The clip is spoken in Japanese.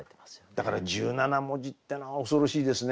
だから１７文字ってのは恐ろしいですね。